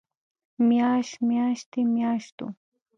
مياشت، مياشتې، مياشتو